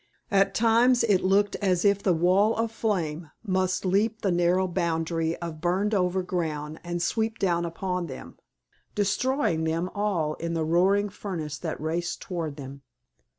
At times it looked as if the wall of flame must leap the narrow boundary of burned over ground and sweep down upon them, destroying them all in the roaring furnace that raced toward them.